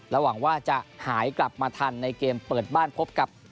หวังว่าจะหายกลับมาทันในเกมเปิดบ้านพบกับ